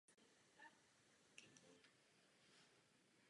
Tak bychom se mohli vyhnout prodloužení stávající pětiletého zpoždění.